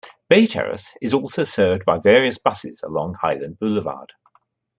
Bay Terrace is also served by various buses along Hylan Boulevard.